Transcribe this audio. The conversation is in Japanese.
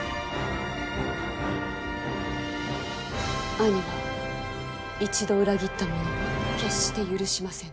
兄は一度裏切った者を決して許しませぬ。